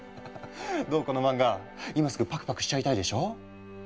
どうこの漫画今すぐパクパクしちゃいたいでしょ？